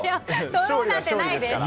ドローなんてないです。